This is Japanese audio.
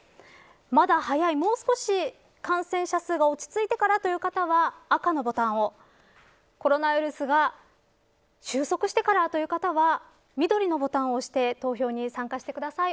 まだ早いもう少し感染者数が落ち着いてからという方は赤のボタンをコロナウイルスが収束してからという方は緑のボタンを押して投票に参加してください。